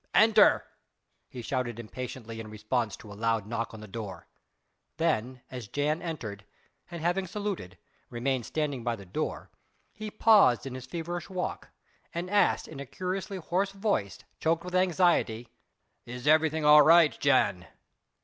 "Enter!" he shouted impatiently in response to a loud knock on the door. Then as Jan entered, and having saluted, remained standing by the door, he paused in his feverish walk, and asked in a curiously hoarse voice, choked with anxiety: "Is everything all right, Jan?"